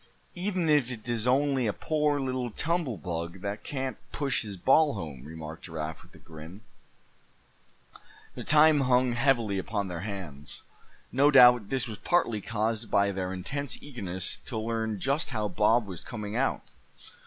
"Even if it is only a poor little tumble bug that can't push his ball home," remarked Giraffe, with a grin. The time hung heavily upon their hands. No doubt this was partly caused by their intense eagerness to learn just how Bob was coming out.